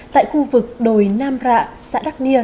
tại khu vực đồi nam rạ xã đắc nia